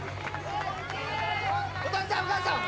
お父さんお母さん！